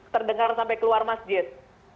terdengar sampai keluar masjid